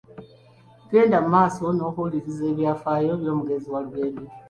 Genda mu maaso n'okuwuliriza ebyafaayo by'omugenzi Walugembe.